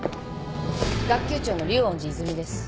学級長の竜恩寺泉です。